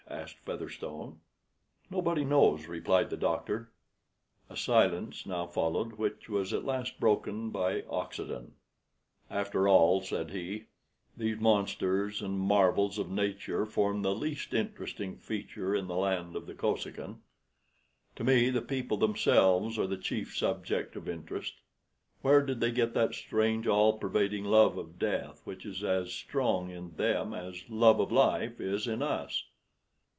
asked Featherstone. "Nobody knows," replied the doctor. A silence now followed, which was at last broken by Oxenden. "After all," said he, "these monsters and marvels of nature form the least interesting feature in the land of the Kosekin. To me the people themselves are the chief subject of interest. Where did they get that strange, all pervading love of death, which is as strong in them as love of life is in us?"